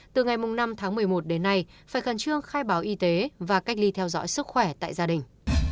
từ ngày năm tháng một mươi một đến nay phải khẩn trương khai báo y tế và cách ly theo dõi sức khỏe tại gia đình